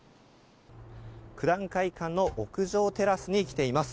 九段会館の屋上テラスに来ています。